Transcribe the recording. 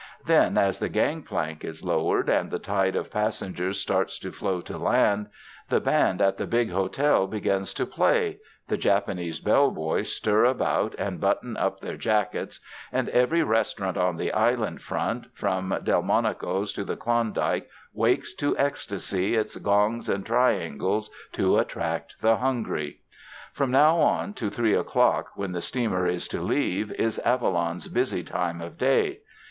Then as the gang plank is lowered, and the tide of passengers starts to flow to land, the band at the big hotel begins to play, the Japanese bell boys stir about and button up their jackets, and every restaurant on the island front, from Delmonico's to the Klondike wakes to ecstasy its gongs and triangles to attract the hungry. From now on to three o'clock, when the steamer is to leave, is Avalon 's busy time of day.